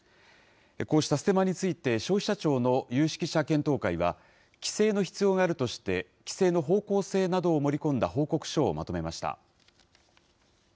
こうしたステマについて、消費者庁の有識者検討会は、規制の必要があるとして、規制の方向性などを盛り込んだ報告書をまとめました。